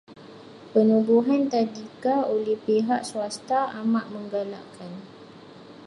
Penubuhan tadika oleh pihak swasta amat menggalakkan.